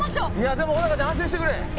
でも、小高ちゃん安心してくれ。